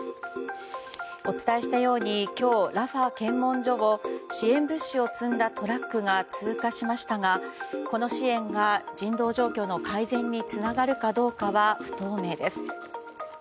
お伝えしたように今日ラファ検問所を支援物資を積んだトラックが通過しましたがこの支援が、人道状況の改善につながるかどうかは不透明です。